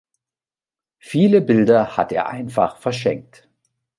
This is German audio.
Viele Bilder hat er einfach verschenkt.